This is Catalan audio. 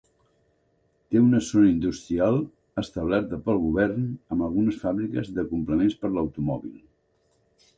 Té una zona industrial establerta pel govern amb algunes fàbriques de complements per l'automòbil.